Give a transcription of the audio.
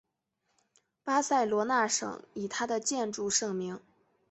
巴塞隆纳省以它的建筑盛名。